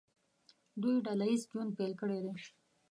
دوی ډله ییز ژوند پیل کړی دی.